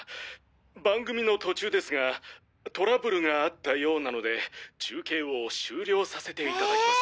番組の途中ですがトラブルがあったようなので中継を終了させていただきます。